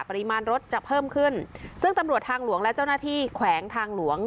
ปริมาณรถจะเพิ่มขึ้นซึ่งตำรวจทางหลวงและเจ้าหน้าที่แขวงทางหลวง